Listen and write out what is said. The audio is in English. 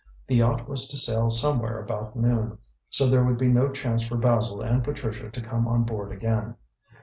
The yacht was to sail somewhere about noon, so there would be no chance for Basil and Patricia to come on board again.